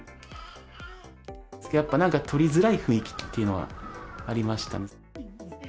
やっぱ、何か取りづらい雰囲気っていうのはありましたね。